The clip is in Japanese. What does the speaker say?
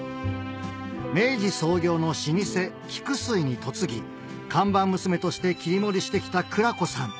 明治創業の老舗菊水に嫁ぎ看板娘として切り盛りしてきた久良子さん